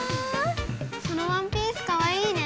そのワンピースかわいいね。